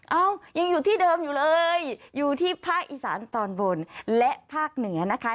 เอ้ายังอยู่ที่เดิมอยู่เลยอยู่ที่ภาคอีสานตอนบนและภาคเหนือนะคะ